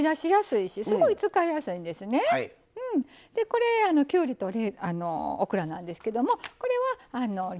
これきゅうりとオクラなんですけどもこれは冷凍の野菜。